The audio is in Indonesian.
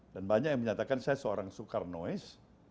banyak yang menyatakan saya seorang soekarnois